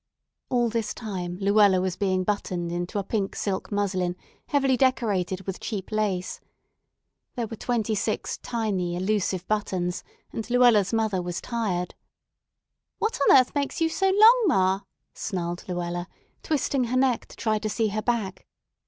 All this time Luella was being buttoned into a pink silk muslin heavily decorated with cheap lace. There were twenty six tiny elusive buttons, and Luella's mother was tired. "What on earth makes you so long, ma?" snarled Luella, twisting her neck to try to see her back.